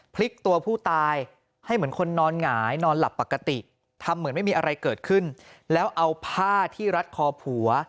พลิกตัวผู้ตายให้เหมือนคนนอนหงายนอนหลับปกติทำเหมือนไม่มีอะไรเกิดขึ้นแล้วเอาผ้าที่รัดคอผัว